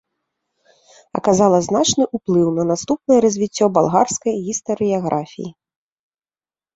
Аказала значны ўплыў на наступнае развіццё балгарскай гістарыяграфіі.